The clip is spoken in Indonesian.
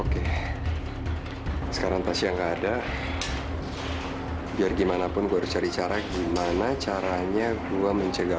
oke sekarang pasti enggak ada biar gimana pun gue cari cara gimana caranya gua mencegah